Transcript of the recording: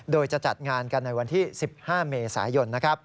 โดยจะจัดงานกันในวันที่๑๕เมษายน